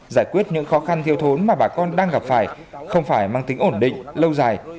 giải quyết những khó khăn thiêu thốn mà bà con đang gặp phải không phải mang tính ổn định lâu dài